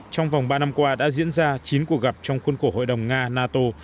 trong vòng ba năm qua đã diễn ra chín cuộc gặp trong khuôn khổ hội đồng nga nato